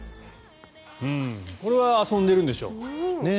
これは遊んでるんでしょう。